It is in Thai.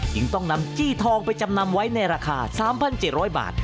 จึงต้องนำจี้ทองไปจำนำไว้ในราคา๓๗๐๐บาท